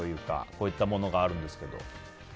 こういったものがあるんですけど。